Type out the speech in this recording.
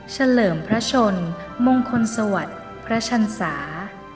เลิมพระชนมงคลสวัสดิ์พระชันศา